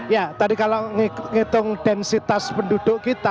ya tadi kalau ngitung densitas penduduk kita